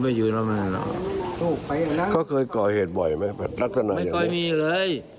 ไม่ค่อยพูดการณ์อะไรกับใครเลย